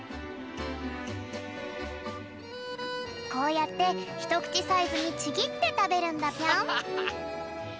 こうやってひとくちサイズにちぎってたべるんだぴょん。